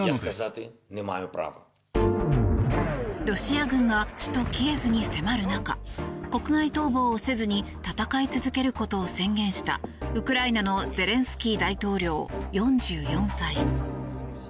ロシア軍が首都キエフに迫る中国外逃亡をせずに戦い続けることを宣言したウクライナのゼレンスキー大統領、４４歳。